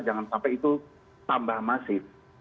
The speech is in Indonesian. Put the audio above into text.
jangan sampai itu tambah masif